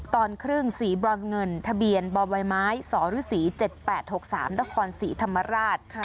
ตอนครึ่งสีบรอนเงินทะเบียนบ่อใบไม้สรศรี๗๘๖๓นครศรีธรรมราช